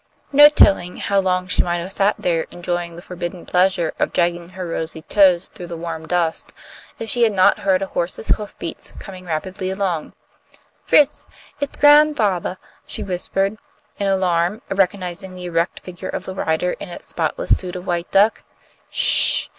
No telling how long she might have sat there enjoying the forbidden pleasure of dragging her rosy toes through the warm dust, if she had not heard a horse's hoof beats coming rapidly along. "Fritz, it's gran'fathah," she whispered, in alarm, recognizing the erect figure of the rider in its spotless suit of white duck. "Sh!